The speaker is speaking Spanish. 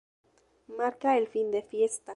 Marca el fin de fiesta.